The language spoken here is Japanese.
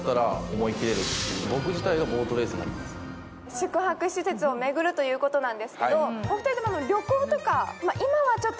宿泊施設を巡るということなんですけれども。